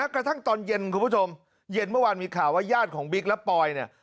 ตอนเย็นคุณผู้ชมเย็นเมื่อวานมีข่าวว่าญาติของบิ๊กและปอยเนี่ย